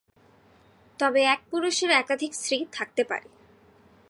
তবে এক পুরুষের একাধিক স্ত্রী থাকতে পারে।